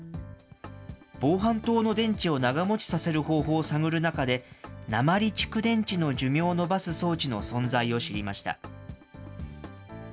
防犯灯の電池を長もちさせる方法を探る中で、鉛蓄電池の寿命を延ばす装置の存在を知りました。